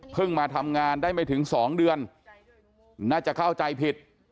มาทำงานได้ไม่ถึง๒เดือนน่าจะเข้าใจผิด